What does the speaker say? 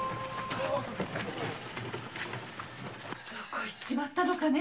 どこへ行っちまったのかね。